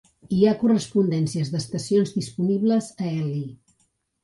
Hi ha correspondències d'estacions disponibles a Ely.